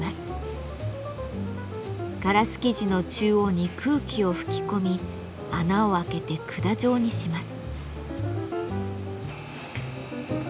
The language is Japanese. ガラス素地の中央に空気を吹き込み穴を開けて管状にします。